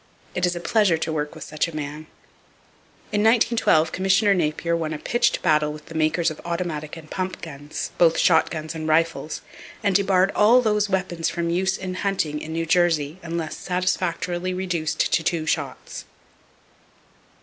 It is a pleasure to work with such a man. In 1912 Commissioner Napier won a pitched battle with the makers of automatic and pump guns, both shotguns and rifles, and debarred all those weapons from use in hunting in New Jersey unless satisfactorily reduced to two shots.